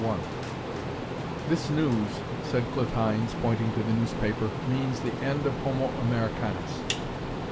] "This news," said Cliff Hynes, pointing to the newspaper, "means the end of homo Americanus."